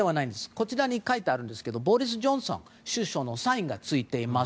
こちらに書いてあるんですけどボリス・ジョンソン首相のサインがついています。